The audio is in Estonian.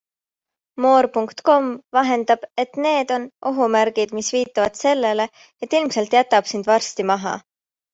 More.com vahendab, et need on ohumärgid, mis viitavad sellele, et ilmselt jätab sind varsti maha.